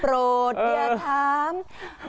โปรดเพลย์ทำ